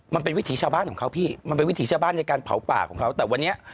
วิถีชาวบ้านของเขาพี่มันเป็นวิถีชาวบ้านในการเผาป่าของเขาแต่วันนี้